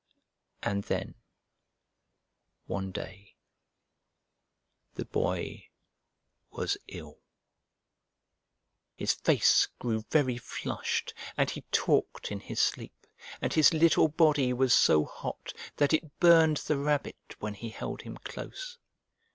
And then, one day, the Boy was ill. His face grew very flushed, and he talked in his sleep, and his little body was so hot that it burned the Rabbit when he held him close.